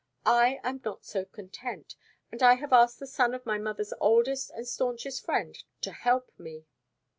I am not so content; and I have asked the son of my mother's oldest and staunchest friend to help me."